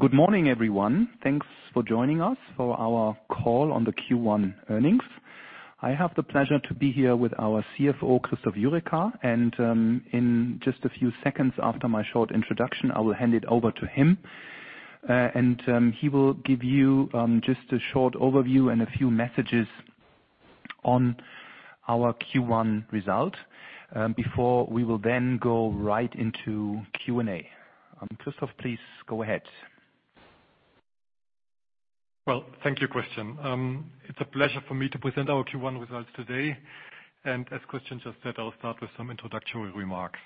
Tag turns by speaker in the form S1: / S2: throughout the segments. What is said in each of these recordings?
S1: Good morning, everyone. Thanks for joining us for our call on the Q1 earnings. I have the pleasure to be here with our CFO, Christoph Jurecka. In just a few seconds after my short introduction, I will hand it over to him. He will give you just a short overview and a few messages on our Q1 result, before we will then go right into Q&A. Christoph, please go ahead.
S2: Well, thank you, Christian. It's a pleasure for me to present our Q1 results today. As Christian just said, I'll start with some introductory remarks.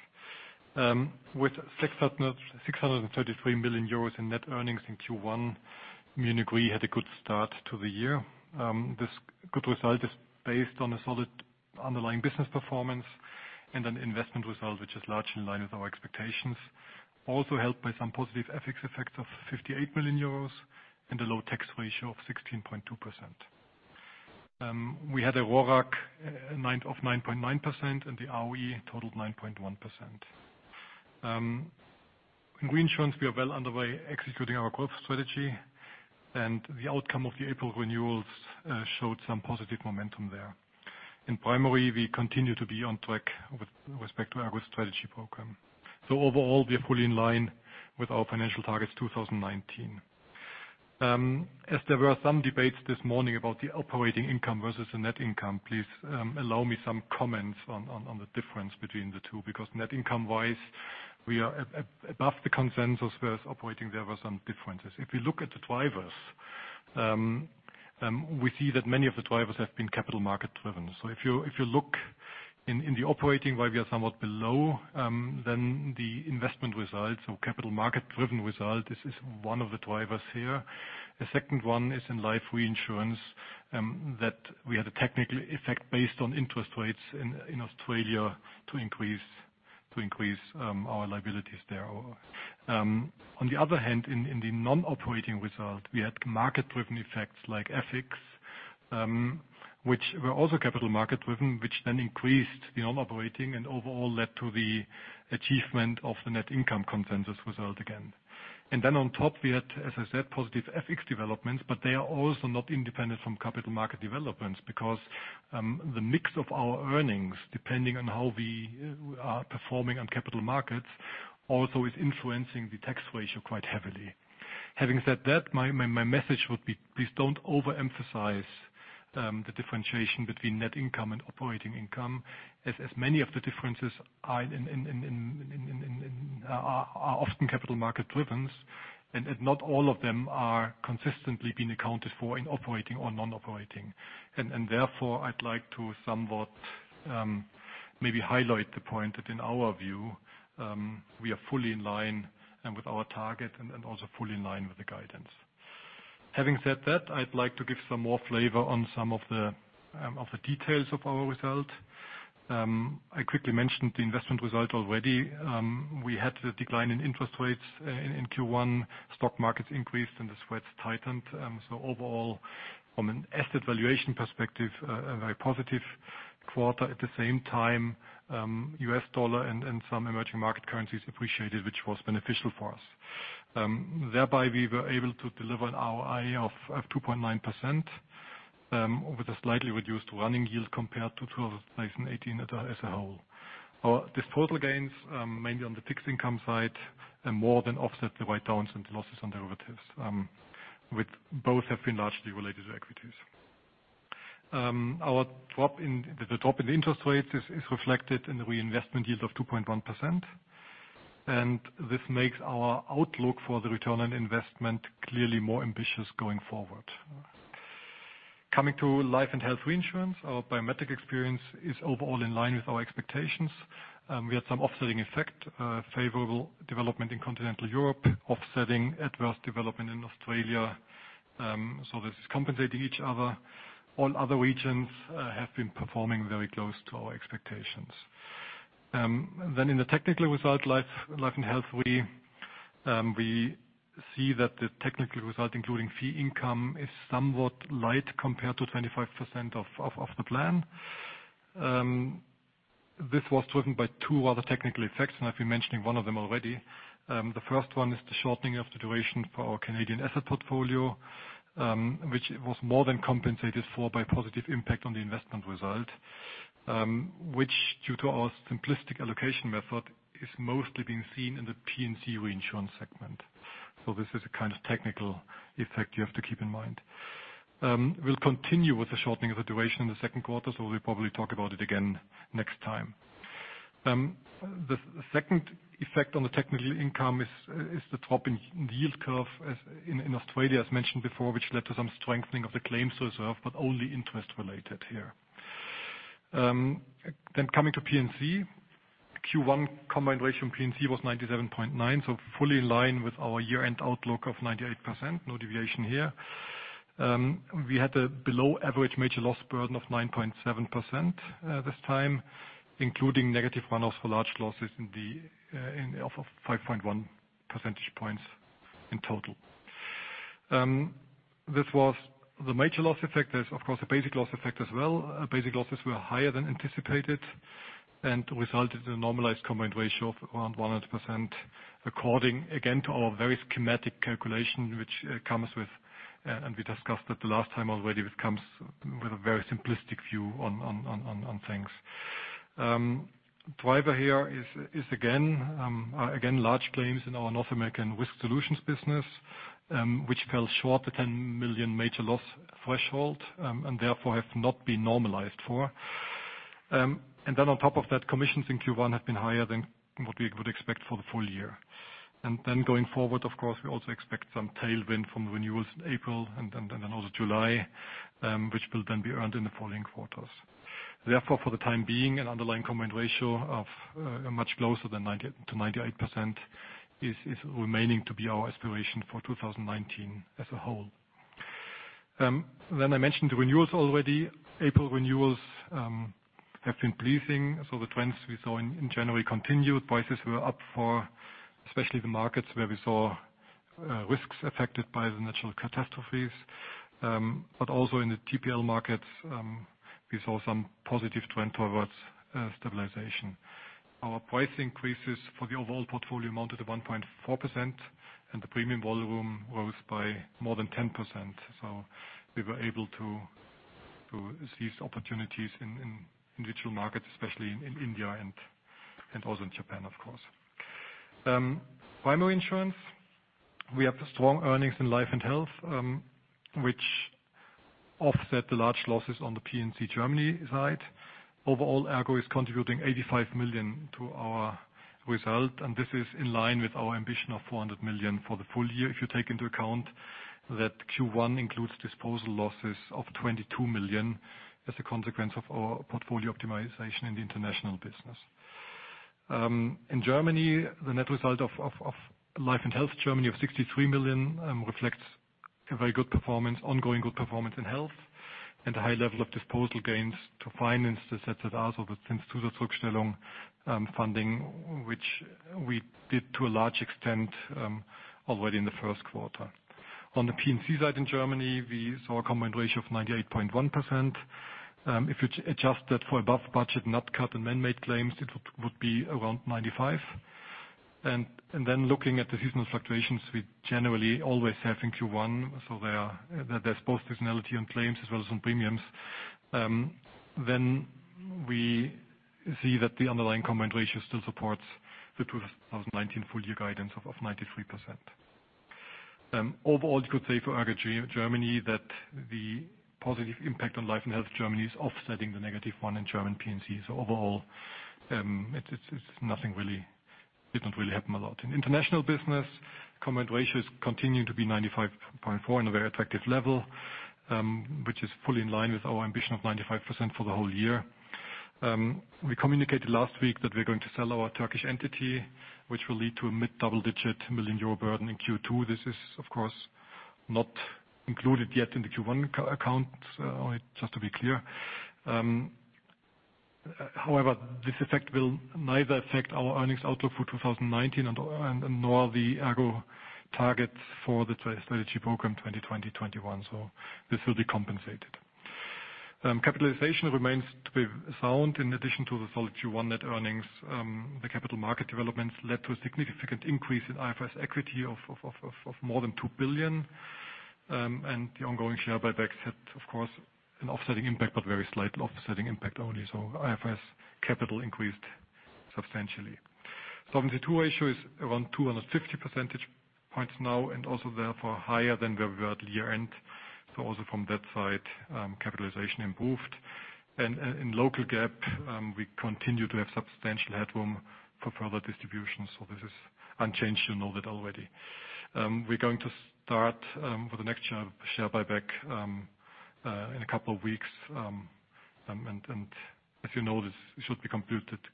S2: With 633 million euros in net earnings in Q1, Munich RE had a good start to the year. This good result is based on a solid underlying business performance and an investment result which is largely in line with our expectations, also helped by some positive FX effects of 58 million euros, and a low tax ratio of 16.2%. We had a RORAC of 9.9%, and the ROE totaled 9.1%. In reinsurance, we are well underway executing our growth strategy. The outcome of the April renewals showed some positive momentum there. In primary, we continue to be on track with respect to our strategy program. Overall, we are fully in line with our financial targets 2019. As there were some debates this morning about the operating income versus the net income, please allow me some comments on the difference between the two, because net income wise, we are above the consensus versus operating, there were some differences. If we look at the drivers, we see that many of the drivers have been capital market driven. If you look in the operating, while we are somewhat below, then the investment results or capital market driven result, this is one of the drivers here. The second one is in life reinsurance, that we had a technical effect based on interest rates in Australia to increase our liabilities there. On the other hand, in the non-operating result, we had market-driven effects like FX, which were also capital market-driven, which increased the non-operating and overall led to the achievement of the net income consensus result again. On top, we had, as I said, positive FX developments. They are also not independent from capital market developments, because the mix of our earnings, depending on how we are performing on capital markets, also is influencing the tax ratio quite heavily. Having said that, my message would be, please don't overemphasize the differentiation between net income and operating income, as many of the differences are often capital market driven, and not all of them are consistently being accounted for in operating or non-operating. Therefore, I'd like to somewhat maybe highlight the point that in our view, we are fully in line and with our target and also fully in line with the guidance. Having said that, I'd like to give some more flavor on some of the details of our result. I quickly mentioned the investment result already. We had a decline in interest rates in Q1, stock markets increased, and the spreads tightened. Overall, from an asset valuation perspective, a very positive quarter. At the same time, U.S. dollar and some emerging market currencies appreciated, which was beneficial for us. Thereby, we were able to deliver an ROI of 2.9%, with a slightly reduced running yield compared to 2018 as a whole. These total gains, mainly on the fixed income side, more than offset the write-downs and the losses on derivatives, with both have been largely related to equities. The drop in interest rates is reflected in the reinvestment yield of 2.1%, and this makes our outlook for the return on investment clearly more ambitious going forward. Coming to life and health reinsurance, our biometric experience is overall in line with our expectations. We had some offsetting effect, favorable development in continental Europe, offsetting adverse development in Australia. This is compensating each other. All other regions have been performing very close to our expectations. In the technical result, life and health, we see that the technical result, including fee income, is somewhat light compared to 25% of the plan. This was driven by two other technical effects, and I've been mentioning one of them already. The first one is the shortening of the duration for our Canadian asset portfolio, which was more than compensated for by positive impact on the investment result, which, due to our simplistic allocation method, is mostly being seen in the P&C reinsurance segment. This is a kind of technical effect you have to keep in mind. We'll continue with the shortening of the duration in the second quarter, we'll probably talk about it again next time. The second effect on the technical income is the drop in the yield curve in Australia, as mentioned before, which led to some strengthening of the claims reserve, but only interest related here. Coming to P&C. Q1 combined ratio in P&C was 97.9, fully in line with our year-end outlook of 98%. No deviation here. We had a below-average major loss burden of 9.7% this time, including negative runoffs for large losses of 5.1 percentage points in total. This was the major loss effect. There's, of course, a basic loss effect as well. Basic losses were higher than anticipated and resulted in a normalized combined ratio of around 100%, according, again, to our very schematic calculation, and we discussed it the last time already, which comes with a very simplistic view on things. Driver here is, again, large claims in our North American risk solutions business, which fell short of the 10 million major loss threshold, and therefore have not been normalized for. On top of that, commissions in Q1 have been higher than what we would expect for the full year. Going forward, of course, we also expect some tailwind from renewals in April and then also July, which will then be earned in the following quarters. Therefore, for the time being, an underlying combined ratio of much closer to 98% is remaining to be our aspiration for 2019 as a whole. I mentioned renewals already. April renewals have been pleasing. The trends we saw in January continued. Prices were up for especially the markets where we saw risks affected by the natural catastrophes. Also in the TPL markets, we saw some positive trend towards stabilization. Our price increases for the overall portfolio amounted to 1.4%. The premium volume rose by more than 10%. We were able to seize opportunities in individual markets, especially in India and also in Japan, of course. Primary insurance, we have strong earnings in life and health, which offset the large losses on the P&C Germany side. Overall, ERGO is contributing 85 million to our result. This is in line with our ambition of 400 million for the full year. If you take into account that Q1 includes disposal losses of 22 million as a consequence of our portfolio optimization in the international business. In Germany, the net result of life and health, Germany of 63 million reflects a very good performance, ongoing good performance in health, a high level of disposal gains to finance the funding, which we did to a large extent already in the first quarter. On the P&C side in Germany, we saw a combined ratio of 98.1%. If you adjust that for above budget, nat cat, and manmade claims, it would be around 95%. Looking at the seasonal fluctuations, we generally always have in Q1, there is both seasonality on claims as well as on premiums. We see that the underlying combined ratio still supports the 2019 full-year guidance of 93%. Overall, you could say for ERGO Germany that the positive impact on life and health Germany is offsetting the negative one in German P&C. Overall, didn't really happen a lot. In international business, combined ratios continue to be 95.4% in a very attractive level, which is fully in line with our ambition of 95% for the whole year. We communicated last week that we are going to sell our Turkish entity, which will lead to a mid-double-digit million EUR burden in Q2. This is, of course, not included yet in the Q1 accounts, just to be clear. However, this effect will neither affect our earnings outlook for 2019 nor the ERGO targets for the strategy program 2020-21. This will be compensated. Capitalization remains to be sound. In addition to the solid Q1 net earnings, the capital market developments led to a significant increase in IFRS equity of more than 2 billion. The ongoing share buybacks had, of course, an offsetting impact, but very slight offsetting impact only. IFRS capital increased substantially. Solvency II ratio is around 250 percentage points now, also therefore higher than we were at year-end. Also from that side, capitalization improved. In local GAAP, we continue to have substantial headroom for further distribution. This is unchanged. You know that already. We are going to start with the next share buyback in a couple of weeks. As you know, this should be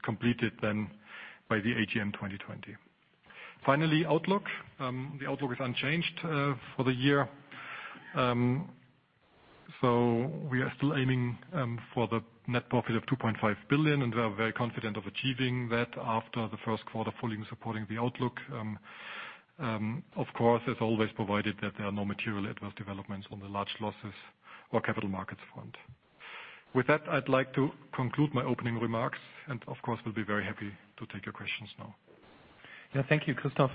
S2: completed then by the AGM 2020. Finally, outlook. The outlook is unchanged for the year. We are still aiming for the net profit of 2.5 billion. We are very confident of achieving that after the first quarter fully supporting the outlook. Of course, as always, provided that there are no material adverse developments on the large losses or capital markets front. With that, I'd like to conclude my opening remarks, of course, we'll be very happy to take your questions now.
S1: Thank you, Christoph,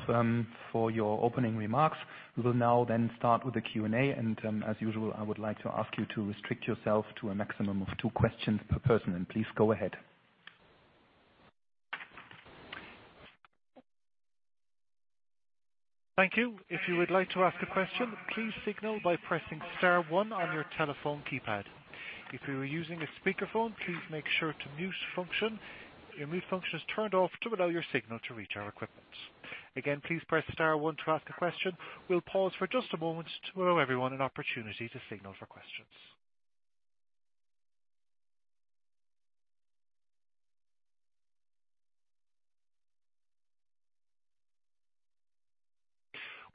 S1: for your opening remarks. We will now start with the Q&A, as usual, I would like to ask you to restrict yourself to a maximum of two questions per person. Please go ahead.
S3: Thank you. If you would like to ask a question, please signal by pressing star one on your telephone keypad. If you are using a speakerphone, please make sure your mute function is turned off to allow your signal to reach our equipment. Again, please press star one to ask a question. We'll pause for just a moment to allow everyone an opportunity to signal for questions.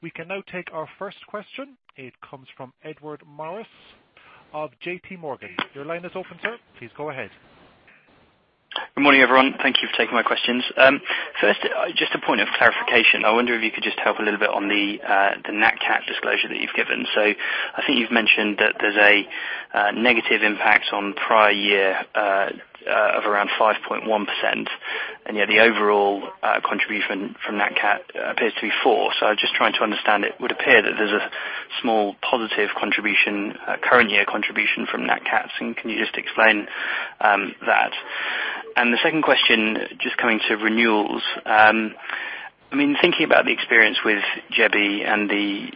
S3: We can now take our first question. It comes from Edward Morris of J.P. Morgan. Your line is open, sir. Please go ahead.
S4: Good morning, everyone. Thank you for taking my questions. First, just a point of clarification. I wonder if you could just help a little bit on the nat cat disclosure that you've given. I think you've mentioned that there's a negative impact on prior year of around 5.1%, yet the overall contribution from nat cat appears to be 4%. I'm just trying to understand, it would appear that there's a small positive contribution, current year contribution from nat cats. Can you just explain that? The second question, just coming to renewals. Thinking about the experience with Jebi and the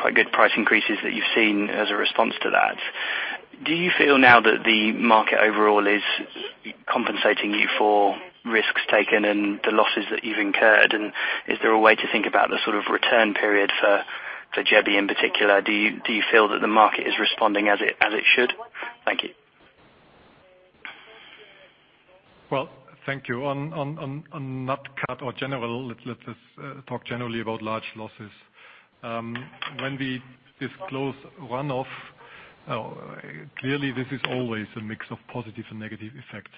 S4: quite good price increases that you've seen as a response to that, do you feel now that the market overall is compensating you for risks taken and the losses that you've incurred? Is there a way to think about the sort of return period for Jebi in particular? Do you feel that the market is responding as it should? Thank you.
S2: Well, thank you. On nat cat or general, let's talk generally about large losses. When we disclose one-off, clearly this is always a mix of positive and negative effects.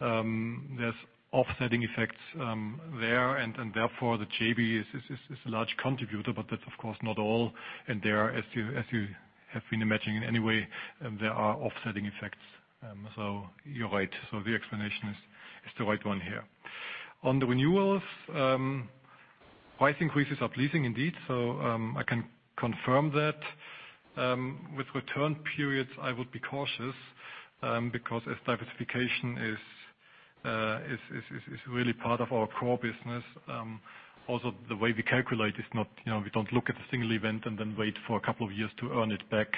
S2: There's offsetting effects there, and therefore the Jebi is a large contributor, but that's of course not all. There, as you have been imagining anyway, there are offsetting effects. You're right. The explanation is the right one here. On the renewals, price increases are pleasing indeed. I can confirm that. With return periods, I would be cautious, because as diversification is really part of our core business. Also, the way we calculate is we don't look at a single event and then wait for a couple of years to earn it back.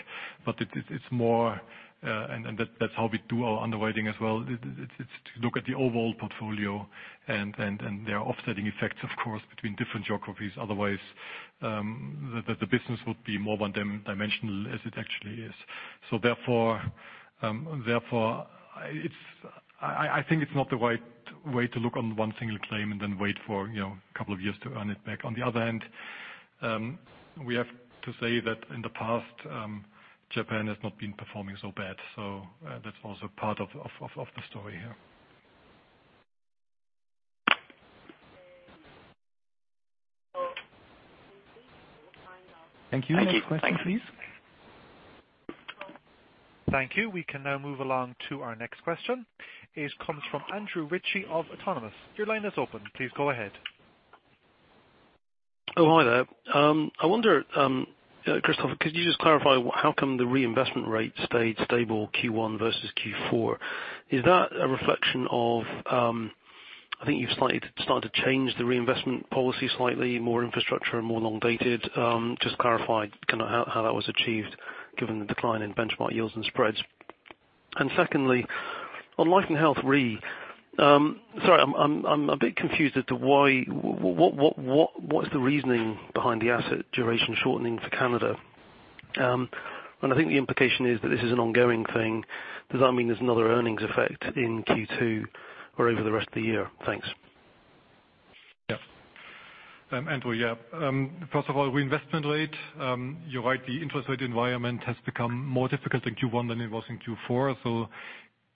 S2: That's how we do our underwriting as well. It's to look at the overall portfolio and there are offsetting effects, of course, between different geographies. Otherwise, the business would be more one-dimensional as it actually is. Therefore, I think it's not the right way to look on one single claim and then wait for a couple of years to earn it back. On the other end, we have to say that in the past, Japan has not been performing so bad. That's also part of the story here.
S4: Thank you.
S2: Next question, please.
S3: Thank you. We can now move along to our next question. It comes from Andrew Ritchie of Autonomous. Your line is open. Please go ahead.
S5: Hi there. I wonder, Christoph, could you just clarify how come the reinvestment rate stayed stable Q1 versus Q4? Is that a reflection of, I think you've slightly started to change the reinvestment policy slightly, more infrastructure and more long-dated. Just clarify how that was achieved, given the decline in benchmark yields and spreads. Secondly, on life and health re. Sorry, I'm a bit confused as to what is the reasoning behind the asset duration shortening for Canada? I think the implication is that this is an ongoing thing. Does that mean there's another earnings effect in Q2 or over the rest of the year? Thanks.
S2: Andrew, First of all, reinvestment rate. You're right, the interest rate environment has become more difficult in Q1 than it was in Q4.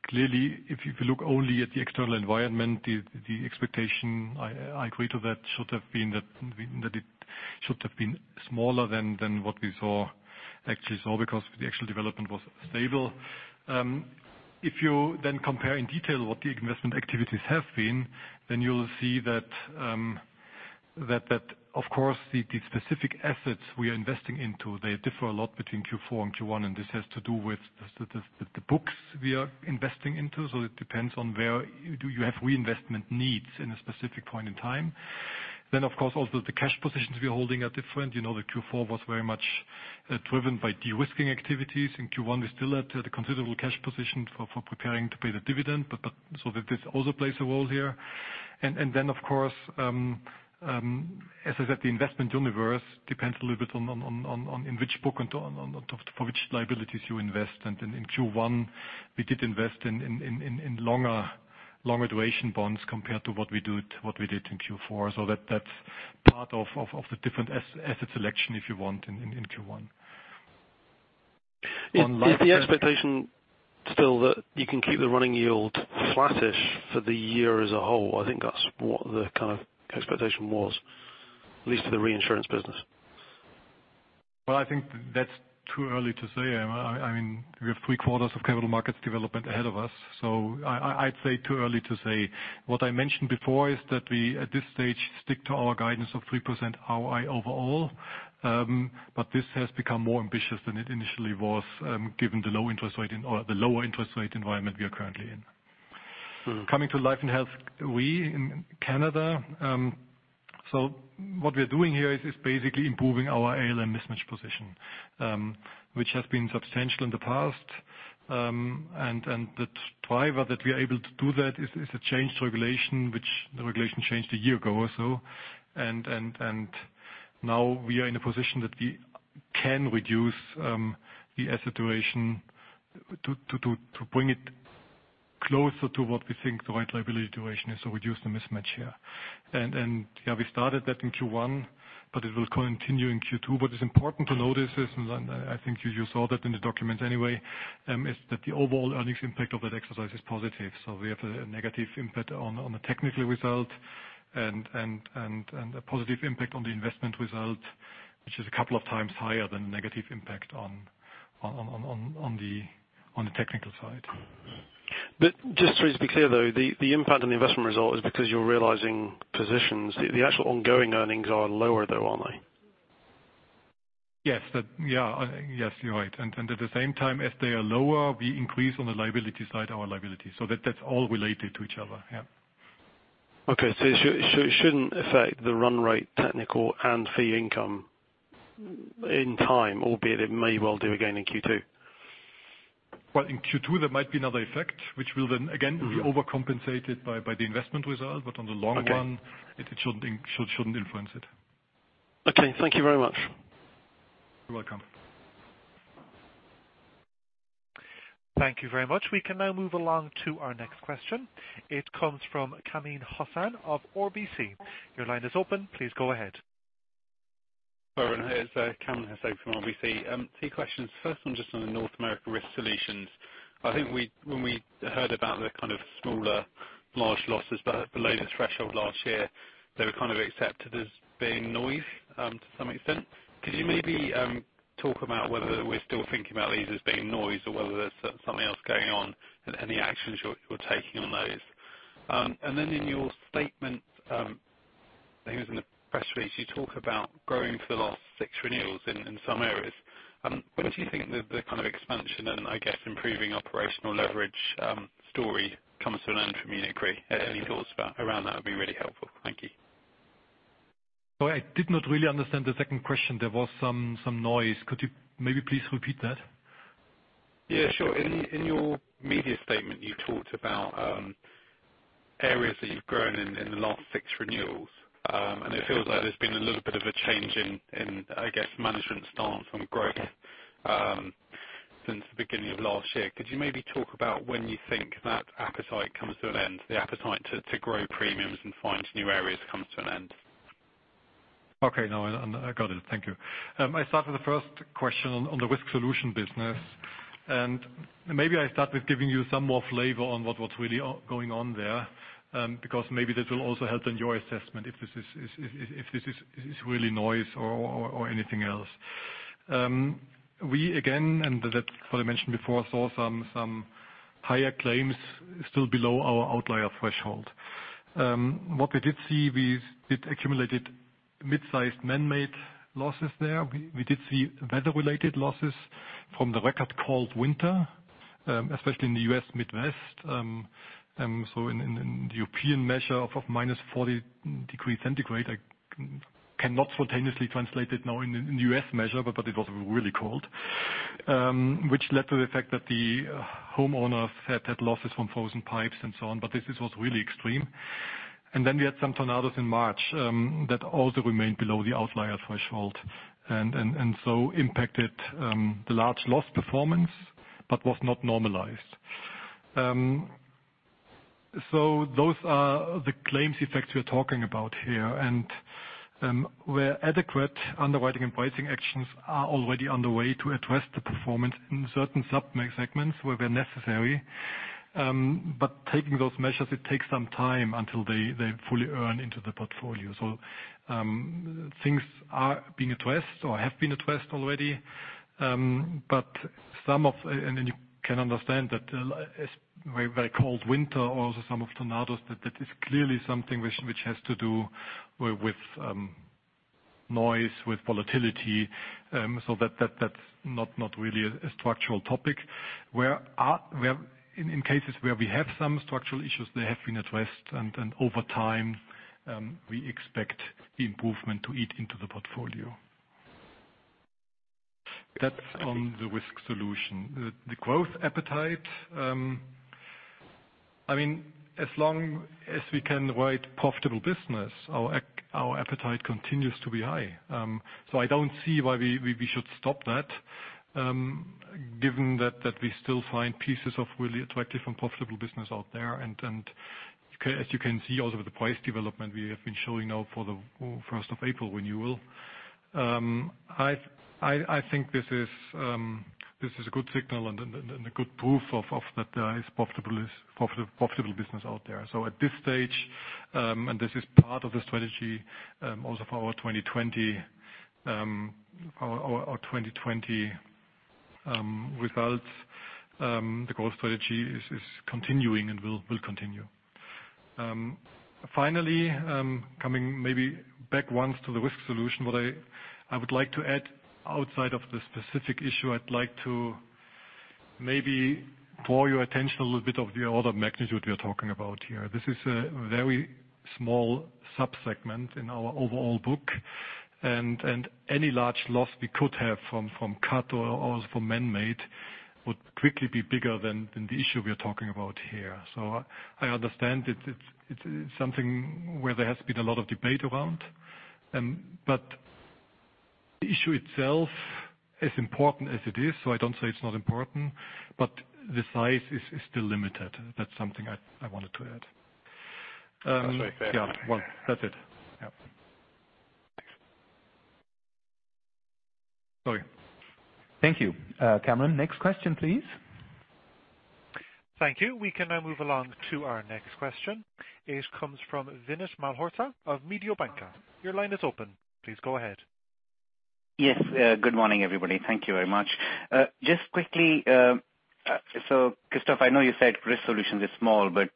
S2: Clearly, if you look only at the external environment, the expectation, I agree to that, should have been that it should have been smaller than what we actually saw because the actual development was stable. If you compare in detail what the investment activities have been, you'll see that, of course, the specific assets we are investing into, they differ a lot between Q4 and Q1, This has to do with the books we are investing into. It depends on where you have reinvestment needs in a specific point in time. Of course, also the cash positions we are holding are different. You know that Q4 was very much driven by de-risking activities. In Q1, we still had a considerable cash position for preparing to pay the dividend, this also plays a role here. Of course, as I said, the investment universe depends a little bit on in which book and for which liabilities you invest. In Q1, we did invest in longer duration bonds compared to what we did in Q4. That's part of the different asset selection, if you want, in Q1.
S5: Is the expectation still that you can keep the running yield flattish for the year as a whole? I think that's what the expectation was. At least for the reinsurance business.
S2: Well, I think that's too early to say. We have three quarters of capital markets development ahead of us. I'd say too early to say. What I mentioned before is that we, at this stage, stick to our guidance of 3% ROI overall. This has become more ambitious than it initially was, given the lower interest rate environment we are currently in. Coming to life and health re in Canada. What we are doing here is basically improving our ALM mismatch position, which has been substantial in the past. The driver that we are able to do that is a change to regulation, which the regulation changed a year ago or so. Now we are in a position that we can reduce the asset duration to bring it closer to what we think the right liability duration is. Reduce the mismatch here. Yeah, we started that in Q1, it will continue in Q2. What is important to notice is, and I think you saw that in the document anyway, is that the overall earnings impact of that exercise is positive. We have a negative impact on the technical result and a positive impact on the investment result, which is a couple of times higher than the negative impact on the technical side.
S5: Just so as to be clear, though, the impact on the investment result is because you're realizing positions. The actual ongoing earnings are lower though, aren't they?
S2: Yes. You're right. At the same time as they are lower, we increase on the liability side, our liability. That's all related to each other. Yeah.
S5: Okay. It shouldn't affect the run rate technical and fee income in time, albeit it may well do again in Q2.
S2: Well, in Q2 there might be another effect, which will then again be overcompensated by the investment result, on the long run.
S5: Okay
S2: it shouldn't influence it.
S5: Okay. Thank you very much.
S2: You're welcome.
S3: Thank you very much. We can now move along to our next question. It comes from Kamran Hossain of RBC. Your line is open. Please go ahead.
S6: Hi. It's Kamran Hossain from RBC. Two questions. First one, just on the North America risk solutions. I think when we heard about the kind of smaller, large losses, but below the threshold last year, they were accepted as being noise, to some extent. Could you maybe talk about whether we're still thinking about these as being noise or whether there's something else going on and any actions you're taking on those? Then in your statement, I think it was in the press release, you talk about growing for the last six renewals in some areas. Where do you think the kind of expansion and I guess, improving operational leverage story comes to an end for Munich RE? Any thoughts around that would be really helpful. Thank you.
S2: Sorry, I did not really understand the second question. There was some noise. Could you maybe please repeat that?
S6: Yeah, sure. In your media statement, you talked about areas that you've grown in the last six renewals. It feels like there's been a little bit of a change in, I guess, management stance on growth, since the beginning of last year. Could you maybe talk about when you think that appetite comes to an end? The appetite to grow premiums and find new areas comes to an end.
S2: Okay. No, I got it. Thank you. I start with the first question on the risk solution business, maybe I start with giving you some more flavor on what's really going on there, because maybe this will also help in your assessment if this is really noise or anything else. We, again, and that probably mentioned before, saw some higher claims still below our outlier threshold. What we did see, we did accumulated mid-sized manmade losses there. We did see weather-related losses from the record cold winter, especially in the U.S. Midwest. In the European measure of, minus 40 degrees Celsius, I cannot spontaneously translate it now in the U.S. measure, but it was really cold. Which led to the fact that the homeowners had losses from frozen pipes and so on. This was really extreme. We had some tornadoes in March, that also remained below the outlier threshold and impacted the large loss performance, but was not normalized. Those are the claims effects we're talking about here, and where adequate underwriting and pricing actions are already on the way to address the performance in certain sub-segments, where they're necessary. Taking those measures, it takes some time until they fully earn into the portfolio. Things are being addressed or have been addressed already. You can understand that a very cold winter or also some of tornadoes, that is clearly something which has to do with noise, with volatility. That's not really a structural topic. In cases where we have some structural issues, they have been addressed, and over time, we expect the improvement to eat into the portfolio. That's on the Risk Solutions. The growth appetite, as long as we can write profitable business, our appetite continues to be high. I don't see why we should stop that, given that we still find pieces of really attractive and profitable business out there. As you can see also with the price development, we have been showing now for the 1st of April renewal. I think this is a good signal and a good proof of that there is profitable business out there. At this stage, and this is part of the strategy, also for our 2020 results, the growth strategy is continuing and will continue. Finally, coming maybe back once to the Risk Solutions. What I would like to add outside of the specific issue, I'd like to maybe draw your attention a little bit of the order of magnitude we are talking about here. This is a very small sub-segment in our overall book, and any large loss we could have from CAT or from manmade, would quickly be bigger than the issue we are talking about here. I understand it's something where there has been a lot of debate around. The issue itself, as important as it is, so I don't say it's not important, but the size is still limited. That's something I wanted to add.
S6: That's very clear.
S2: Yeah. Well, that's it. Sorry.
S1: Thank you. Cameron, next question, please.
S3: Thank you. We can now move along to our next question. It comes from Vinit Malhotra of Mediobanca. Your line is open. Please go ahead.
S7: Yes. Good morning, everybody. Thank you very much. Just quickly, Christoph, I know you said Risk Solutions is small, but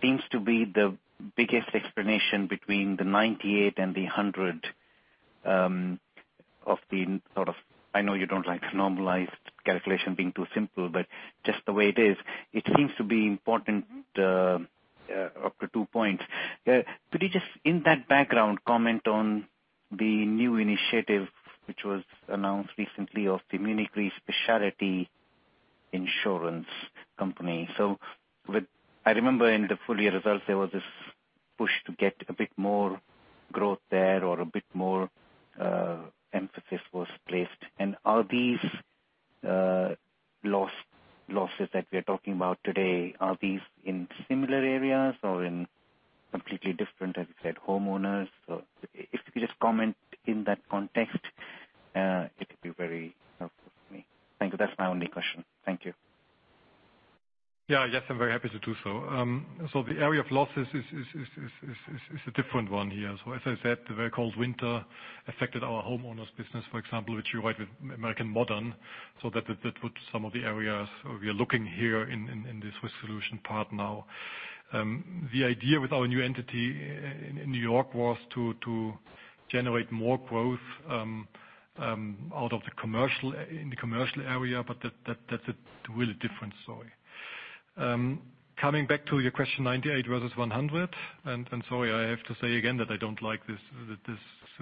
S7: seems to be the biggest explanation between the 98 and the 100. I know you don't like normalized calculation being too simple, but just the way it is, it seems to be important, up to two points. Could you just, in that background, comment on the new initiative, which was announced recently of the Munich RE Specialty Insurance company. I remember in the full year results, there was this push to get a bit more growth there or a bit more emphasis was placed. Are these losses that we're talking about today, are these in similar areas or in completely different, as you said, homeowners? If you could just comment in that context, it'd be very helpful for me. Thank you. That's my only question. Thank you.
S2: Yes, I'm very happy to do so. The area of losses is a different one here. As I said, the very cold winter affected our homeowners business, for example, which you write with American Modern Insurance Group, that would some of the areas we are looking here in this Risk Solutions part now. The idea with our new entity in New York was to generate more growth, in the commercial area, that's a really different story. Coming back to your question, 98 versus 100, and sorry, I have to say again that I don't like this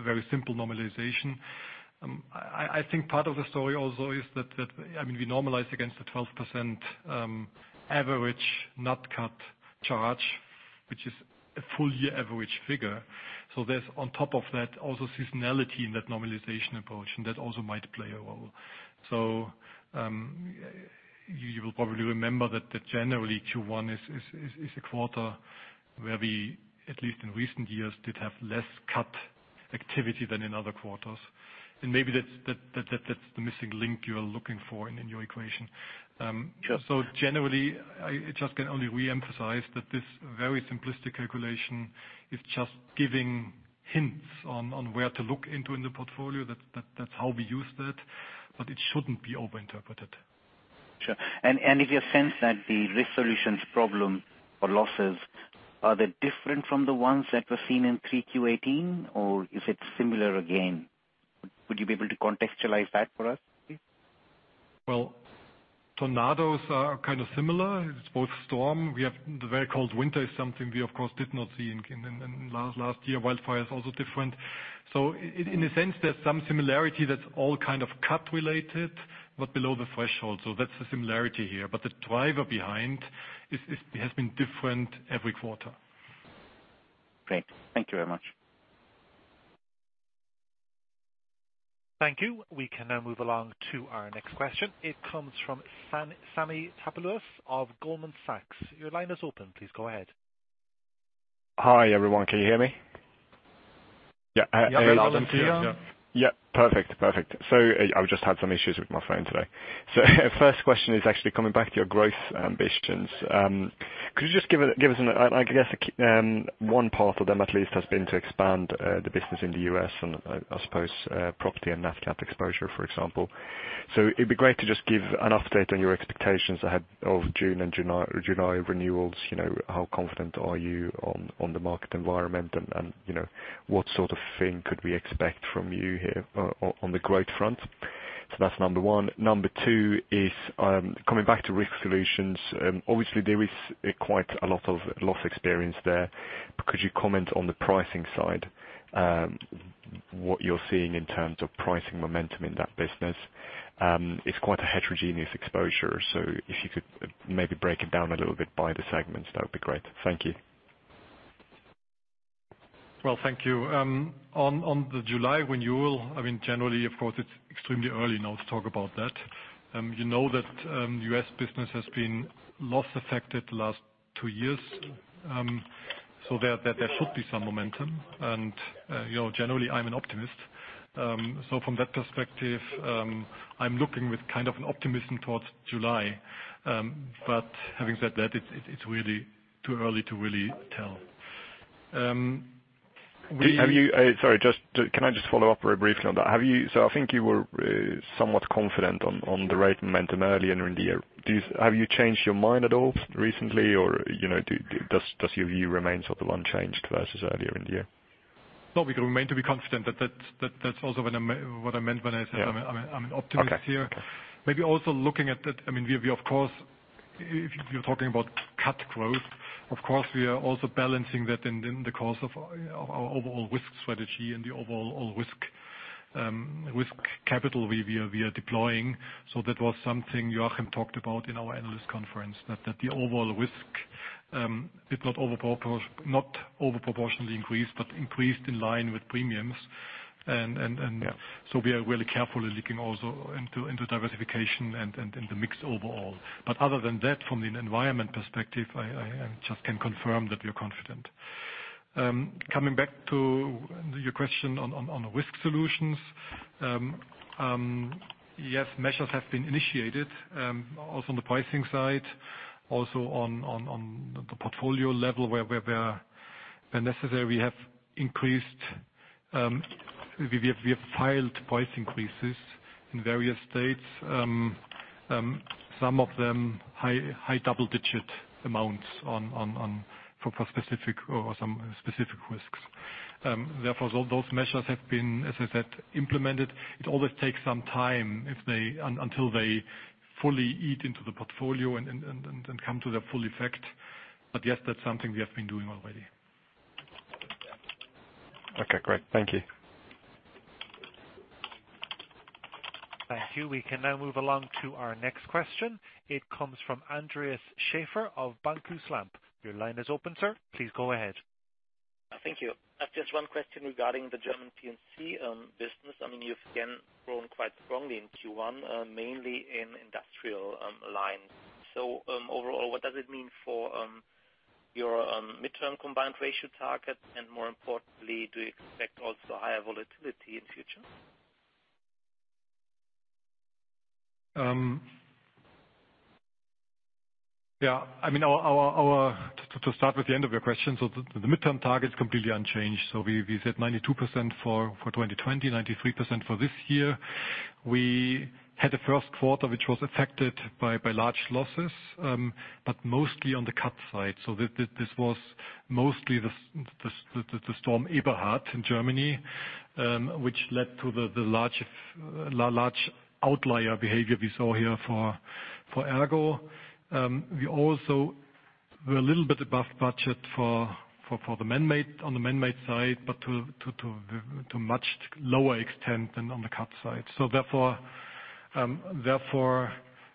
S2: very simple normalization. I think part of the story also is that, we normalize against the 12% average nat cat charge, which is a full year average figure. There's on top of that, also seasonality in that normalization approach, and that also might play a role. You will probably remember that generally, Q1 is a quarter where we, at least in recent years, did have less CAT activity than in other quarters. Maybe that's the missing link you're looking for in your equation.
S7: Sure.
S2: Generally, I just can only reemphasize that this very simplistic calculation is just giving hints on where to look into in the portfolio. That's how we use that. It shouldn't be over-interpreted.
S7: Sure. If you sense that the Risk Solutions problem or losses, are they different from the ones that were seen in 3Q '18, or is it similar again? Would you be able to contextualize that for us, please?
S2: Well, tornadoes are kind of similar. It's both storm. We have the very cold winter is something we, of course, did not see in last year. Wildfire is also different. In a sense, there's some similarity that's all kind of CAT related, but below the threshold. That's the similarity here. The driver behind, has been different every quarter.
S7: Great. Thank you very much.
S3: Thank you. We can now move along to our next question. It comes from Sami Taipalus of Goldman Sachs. Your line is open. Please go ahead.
S8: Hi, everyone. Can you hear me?
S2: Yeah.
S3: Loud and clear.
S2: Yeah.
S8: Yeah. Perfect. I just had some issues with my phone today. First question is actually coming back to your growth ambitions. Could you just give us, I guess, one part of them at least has been to expand, the business in the U.S. and I suppose, property and nat cat exposure, for example. It'd be great to just give an update on your expectations ahead of June and July renewals. How confident are you on the market environment and what sort of thing could we expect from you here on the growth front? That's number one. Number two is, coming back to Risk Solutions. Obviously, there is quite a lot of loss experience there, but could you comment on the pricing side, what you're seeing in terms of pricing momentum in that business? It's quite a heterogeneous exposure. If you could maybe break it down a little bit by the segments, that would be great. Thank you.
S2: Well, thank you. On the July renewal, generally, of course, it's extremely early now to talk about that. You know that U.S. business has been loss affected the last two years. There should be some momentum. Generally, I'm an optimist. From that perspective, I'm looking with kind of an optimism towards July. Having said that, it's really too early to really tell.
S8: Sorry, can I just follow up very briefly on that? I think you were somewhat confident on the right momentum earlier in the year. Have you changed your mind at all recently or, does your view remain sort of unchanged versus earlier in the year?
S2: No, we remain to be confident. That's also what I meant when I said I'm an optimist here.
S8: Okay.
S2: Maybe also looking at that, if you're talking about CAT growth, of course, we are also balancing that in the course of our overall risk strategy and the overall risk capital we are deploying. That was something Joachim talked about in our analyst conference, that the overall risk, did not over-proportionally increase, but increased in line with premiums.
S8: Yeah.
S2: We are really carefully looking also into diversification and the mix overall. Other than that, from an environment perspective, I just can confirm that we are confident. Coming back to your question on Risk Solutions. Yes, measures have been initiated, also on the pricing side, also on the portfolio level where necessary, we have filed price increases in various states. Some of them high double-digit amounts on some specific risks. Therefore, those measures have been, as I said, implemented. It always takes some time until they fully eat into the portfolio and come to their full effect. Yes, that's something we have been doing already.
S8: Okay, great. Thank you.
S3: Thank you. We can now move along to our next question. It comes from Andreas Schaefer of Bankhaus Lampe. Your line is open, sir, please go ahead.
S9: Thank you. I have just one question regarding the German P&C business. You've again grown quite strongly in Q1, mainly in industrial lines. Overall, what does it mean for your midterm combined ratio target, and more importantly, do you expect also higher volatility in future?
S2: To start with the end of your question, the midterm target is completely unchanged. We said 92% for 2020, 93% for this year. We had a first quarter, which was affected by large losses, but mostly on the CAT side. This was mostly the storm Eberhard in Germany, which led to the large outlier behavior we saw here for ERGO. We also were a little bit above budget on the man-made side, but to much lower extent than on the CAT side. Therefore, the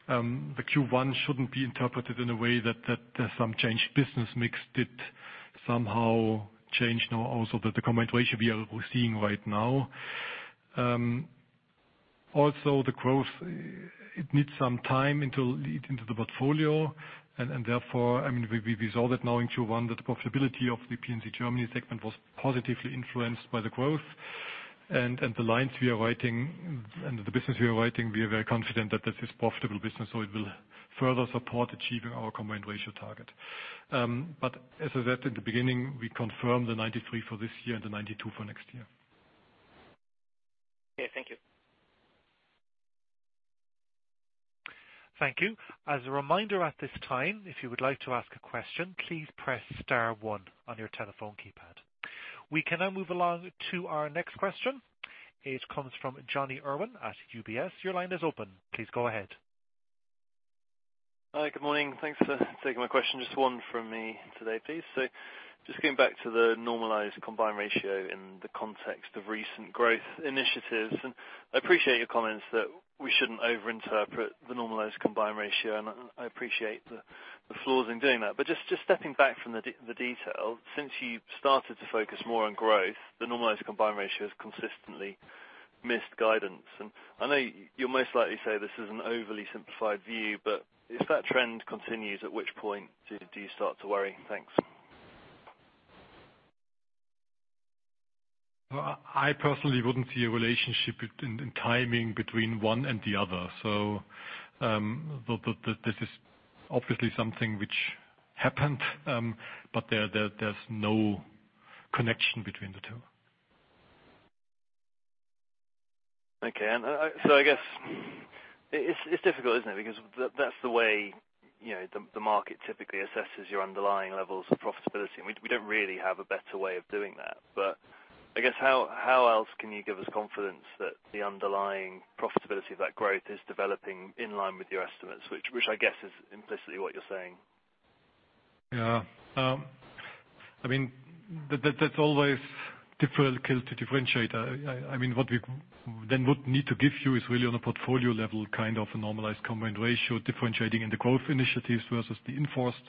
S2: Q1 shouldn't be interpreted in a way that there's some change business mix did somehow change now also the combined ratio we are seeing right now. Also the growth, it eat into the portfolio. Therefore, we resolved it now in Q1 that the profitability of the P&C Germany segment was positively influenced by the growth. The lines we are writing and the business we are writing, we are very confident that this is profitable business, so it will further support achieving our combined ratio target. As I said at the beginning, we confirm the 93% for this year and the 92% for next year.
S9: Okay. Thank you.
S3: Thank you. As a reminder at this time, if you would like to ask a question, please press star one on your telephone keypad. We can now move along to our next question. It comes from Jonny Urwin at UBS. Your line is open. Please go ahead.
S10: Hi. Good morning. Thanks for taking my question. Just one from me today, please. Just getting back to the normalized combined ratio in the context of recent growth initiatives. I appreciate your comments that we shouldn't over interpret the normalized combined ratio, and I appreciate the flaws in doing that. Just stepping back from the detail, since you started to focus more on growth, the normalized combined ratio has consistently missed guidance. I know you'll most likely say this is an overly simplified view, but if that trend continues, at which point do you start to worry? Thanks.
S2: I personally wouldn't see a relationship in timing between one and the other. This is obviously something which happened, but there's no connection between the two.
S10: Okay. I guess it's difficult, isn't it? Because that's the way the market typically assesses your underlying levels of profitability, and we don't really have a better way of doing that. I guess, how else can you give us confidence that the underlying profitability of that growth is developing in line with your estimates, which I guess is implicitly what you're saying?
S2: Yeah. That's always difficult to differentiate. What we then would need to give you is really on a portfolio level, a normalized combined ratio, differentiating in the growth initiatives versus the enforced.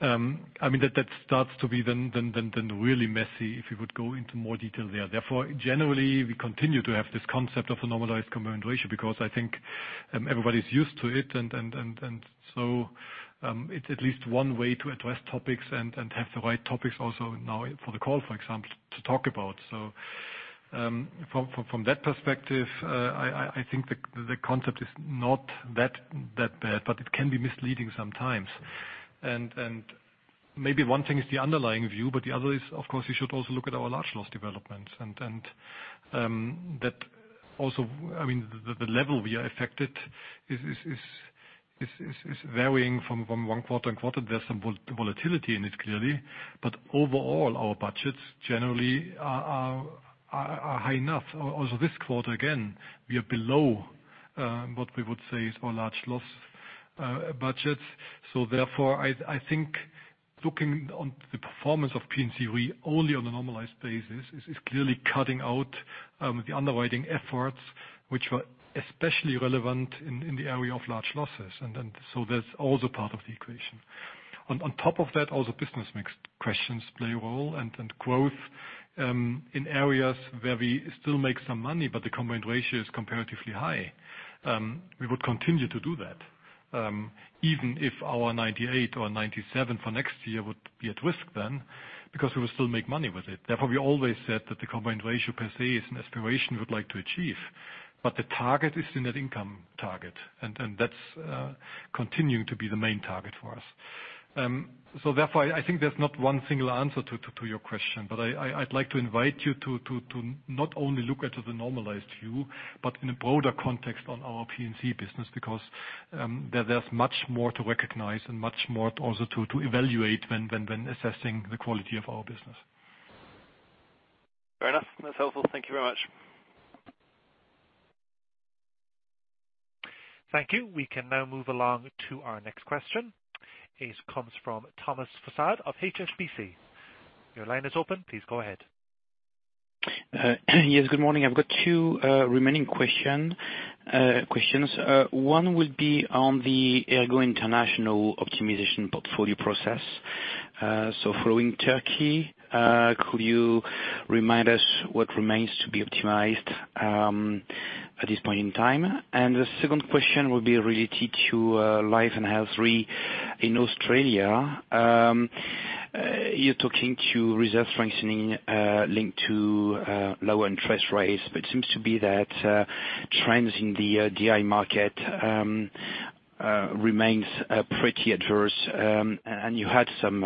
S2: That starts to be then really messy if you would go into more detail there. Generally, we continue to have this concept of a normalized combined ratio because I think everybody's used to it. It's at least one way to address topics and have the right topics also now for the call, for example, to talk about. From that perspective, I think the concept is not that bad, but it can be misleading sometimes. Maybe one thing is the underlying view, but the other is, of course, you should also look at our large loss development. That also, the level we are affected is varying from one quarter on quarter. There's some volatility in it clearly, but overall, our budgets generally are high enough. Also, this quarter, again, we are below, what we would say is our large loss budgets. I think looking on the performance of P&C, we only on a normalized basis, is clearly cutting out the underwriting efforts, which were especially relevant in the area of large losses. That's also part of the equation. On top of that, also business mix questions play a role and growth in areas where we still make some money, but the combined ratio is comparatively high. We would continue to do that, even if our 98% or 97% for next year would be at risk then, because we would still make money with it. We always said that the combined ratio per se is an aspiration we would like to achieve. The target is the net income target, and that's continuing to be the main target for us. I think there's not one single answer to your question. I'd like to invite you to not only look at the normalized view, but in a broader context on our P&C business, because there's much more to recognize and much more also to evaluate when assessing the quality of our business.
S10: Fair enough. That's helpful. Thank you very much.
S3: Thank you. We can now move along to our next question. It comes from Thomas Fossard of HSBC. Your line is open. Please go ahead.
S11: Yes, good morning. I've got two remaining questions. One will be on the ERGO International optimization portfolio process. Following Turkey, could you remind us what remains to be optimized, at this point in time? The second question will be related to Life and Health RE in Australia. You're talking to reserve strengthening linked to lower interest rates, but seems to be that trends in the GI market remains pretty adverse. You had some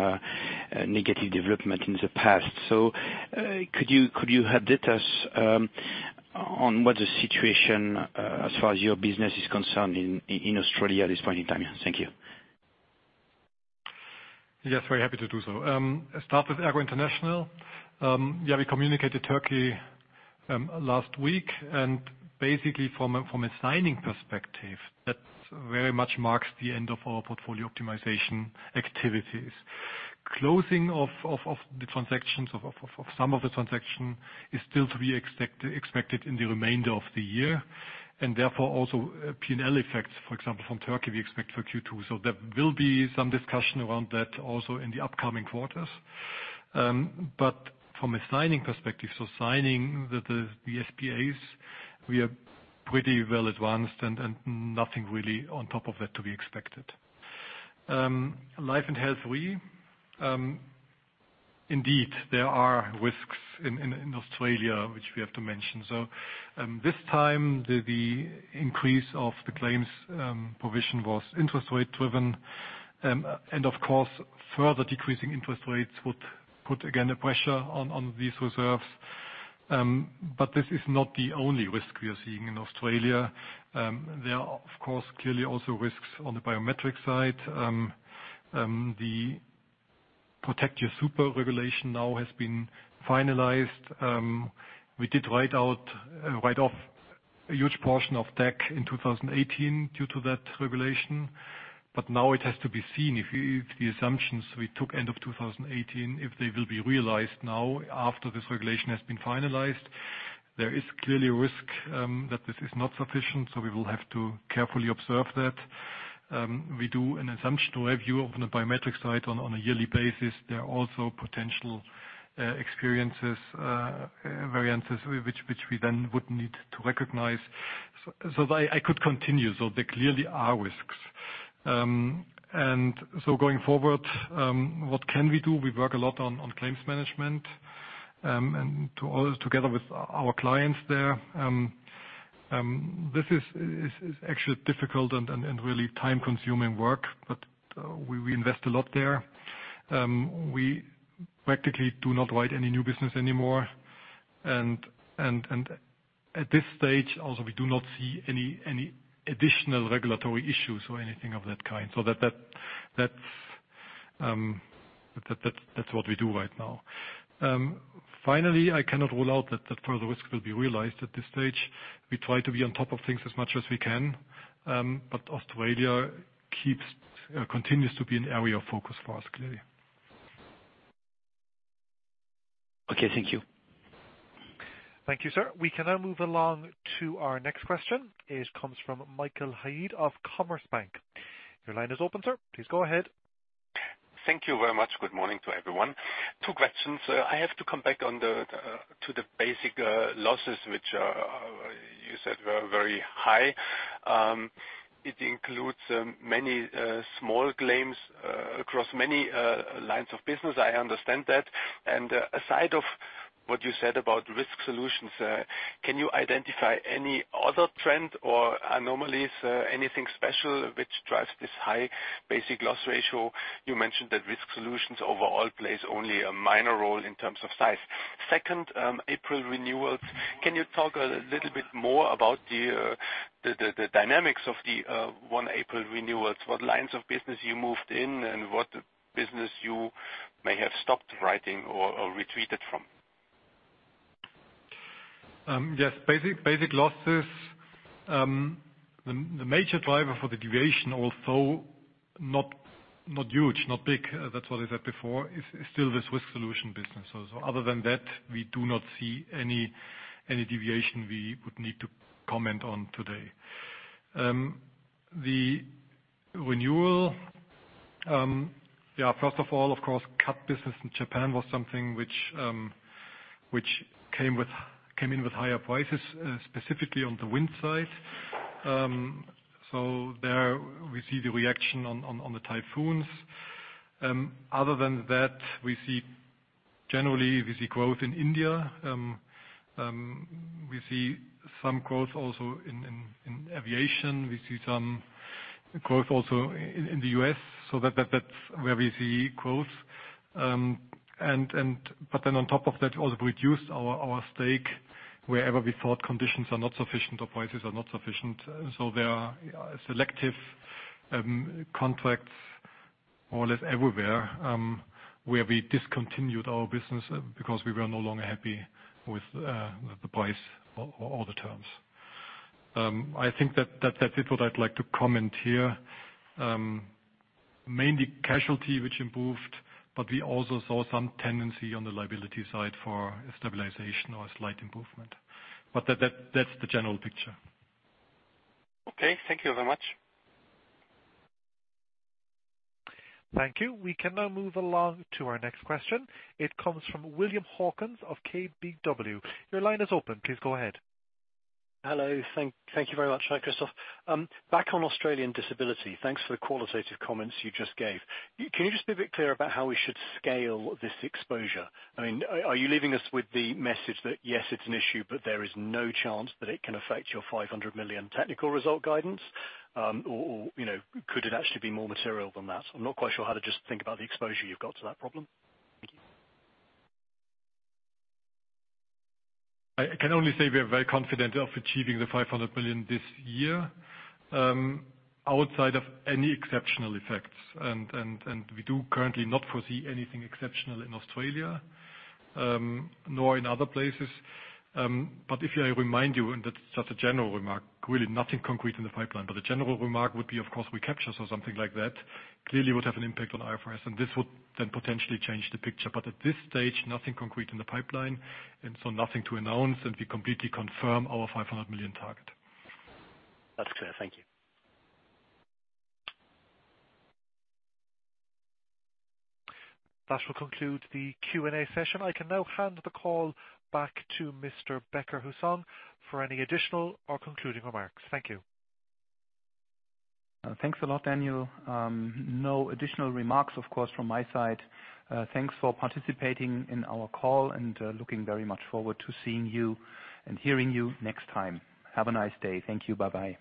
S11: negative development in the past. Could you update us on what the situation, as far as your business is concerned in Australia at this point in time? Thank you.
S2: Yes, very happy to do so. Start with ERGO International. We communicated Turkey last week, and basically from a signing perspective, that very much marks the end of our portfolio optimization activities. Closing of the transactions, of some of the transaction is still to be expected in the remainder of the year. Therefore also P&L effects, for example, from Turkey, we expect for Q2. There will be some discussion around that also in the upcoming quarters. From a signing perspective, signing the SPAs, we are pretty well advanced and nothing really on top of that to be expected. Life & Health RE. Indeed, there are risks in Australia, which we have to mention. This time, the increase of the claims provision was interest rate driven. Of course, further decreasing interest rates would put again a pressure on these reserves. This is not the only risk we are seeing in Australia. There are, of course, clearly also risks on the biometric side. The Protecting Your Super regulation now has been finalized. We did write off a huge portion of DAC in 2018 due to that regulation, but now it has to be seen if the assumptions we took end of 2018, if they will be realized now after this regulation has been finalized. There is clearly a risk that this is not sufficient, we will have to carefully observe that. We do an assumption review on the biometric side on a yearly basis. There are also potential experiences, variances, which we then would need to recognize. I could continue. There clearly are risks. Going forward, what can we do? We work a lot on claims management, together with our clients there. This is actually difficult and really time-consuming work, we invest a lot there. We practically do not write any new business anymore. At this stage, also, we do not see any additional regulatory issues or anything of that kind. That's what we do right now. Finally, I cannot rule out that further risks will be realized at this stage. We try to be on top of things as much as we can. Australia continues to be an area of focus for us, clearly.
S11: Okay, thank you.
S3: Thank you, sir. We can now move along to our next question. It comes from Michael Huttner of Commerzbank. Your line is open, sir. Please go ahead.
S12: Thank you very much. Good morning to everyone. Two questions. I have to come back to the basic losses, which you said were very high. It includes many small claims across many lines of business, I understand that. Aside of what you said about Risk Solutions, can you identify any other trend or anomalies, anything special which drives this high basic loss ratio? You mentioned that Risk Solutions overall plays only a minor role in terms of size. Second, April renewals. Can you talk a little bit more about the dynamics of the 1 April renewals, what lines of business you moved in and what business you may have stopped writing or retreated from?
S2: Yes. Basic losses. The major driver for the deviation, although not huge, not big, that's what I said before, is still the risk solution business. Other than that, we do not see any deviation we would need to comment on today. The renewal. First of all, of course, CAT business in Japan was something which came in with higher prices, specifically on the wind side. There we see the reaction on the typhoons. Other than that, generally, we see growth in India. We see some growth also in aviation. We see some growth also in the U.S. On top of that, also reduced our stake wherever we thought conditions are not sufficient or prices are not sufficient. There are selective contracts more or less everywhere, where we discontinued our business because we were no longer happy with the price or the terms. I think that's it what I'd like to comment here. Mainly casualty, which improved, but we also saw some tendency on the liability side for stabilization or a slight improvement. That's the general picture.
S12: Okay. Thank you very much.
S3: Thank you. We can now move along to our next question. It comes from William Hawkins of KBW. Your line is open. Please go ahead.
S13: Hello. Thank you very much. Hi, Christoph. Back on Australian disability. Thanks for the qualitative comments you just gave. Can you just be a bit clear about how we should scale this exposure? Are you leaving us with the message that, yes, it's an issue, but there is no chance that it can affect your 500 million technical result guidance? Or could it actually be more material than that? I'm not quite sure how to just think about the exposure you've got to that problem. Thank you.
S2: I can only say we are very confident of achieving the 500 million this year, outside of any exceptional effects. We do currently not foresee anything exceptional in Australia, nor in other places. If I remind you, and that's just a general remark, really nothing concrete in the pipeline. A general remark would be, of course, we capture, something like that clearly would have an impact on IFRS, and this would then potentially change the picture. At this stage, nothing concrete in the pipeline, nothing to announce, and we completely confirm our 500 million target.
S13: That's clear. Thank you.
S3: That will conclude the Q&A session. I can now hand the call back to Mr. Becker-Hussong for any additional or concluding remarks. Thank you.
S1: Thanks a lot, Daniel. No additional remarks, of course, from my side. Thanks for participating in our call, looking very much forward to seeing you and hearing you next time. Have a nice day. Thank you. Bye-bye.